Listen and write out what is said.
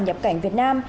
nhập cảnh việt nam